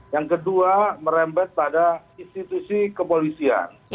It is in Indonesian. yang kedua merembet pada institusi kepolisian